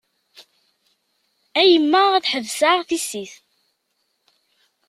A yemma ad ḥebseɣ tissit.